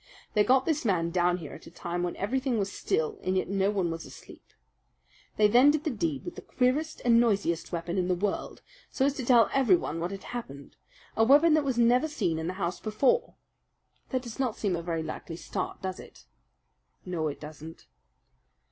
They got this man down here at a time when everything was still and yet no one was asleep. They then did the deed with the queerest and noisiest weapon in the world so as to tell everyone what had happened a weapon that was never seen in the house before. That does not seem a very likely start, does it?" "No, it does not."